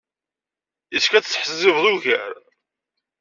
Yessefk ad tettḥezzibeḍ ugar.